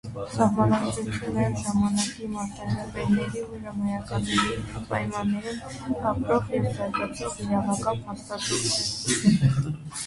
Սահմանադրությունը նաև ժամանակի մարտահրավերների ու հրամայականների պայմաններում ապրող և զարգացող իրավական փաստաթուղթ է: